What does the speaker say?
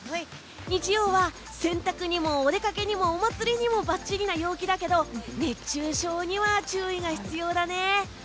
日曜は洗濯にもお出かけにもお祭りにもばっちりな陽気だけど熱中症には注意が必要だね！